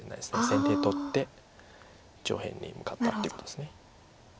先手取って上辺に向かったっていうことです。